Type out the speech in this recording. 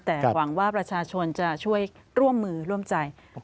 แต่หวังว่าประชาชนจะช่วยร่วมมือร่วมใจ